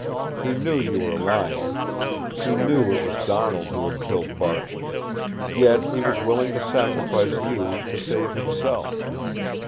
"He knew you were lying. He knew it was Donald who had killed Barkley. Yet he was willing to sacrifice you to save himself.